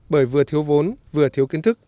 bởi vừa thiếu vốn vừa thiếu kiến thức